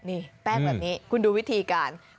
นี่แป้งแบบนี้คุณดูวิธีการ